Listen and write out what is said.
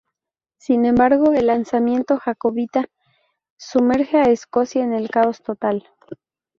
Sin embargo, el alzamiento jacobita sumerge a Escocia en el caos total.